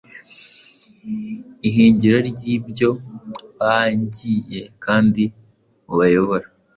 ihingiro ryibyo baangiye, kandi ubayobora